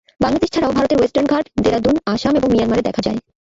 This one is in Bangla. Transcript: বাংলাদেশ ছাড়াও ভারতের ওয়েস্টার্ন ঘাট, দেরাদুন, আসাম এবং মিয়ানমারে দেখা যায়।